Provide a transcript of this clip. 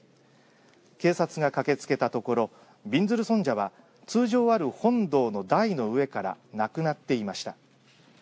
警察が駆けつけたところびんずる尊者は通常ある本堂の台の上からなくなっていました。